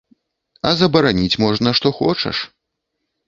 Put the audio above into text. А забараніць можна што хочаш.